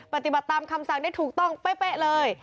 ปฏิบัติตามคำสั่งได้ถูกต้องเป๊ะเลย